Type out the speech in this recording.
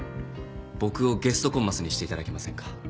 僕をゲストコンマスにしていただけませんか？